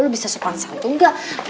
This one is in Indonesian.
lo bisa spons atau enggak